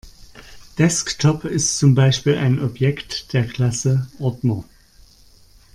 Desktop ist zum Beispiel ein Objekt der Klasse Ordner.